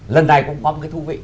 lần này cũng có một cái thú vị